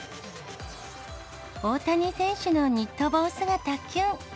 大谷選手のニット帽姿、キュン。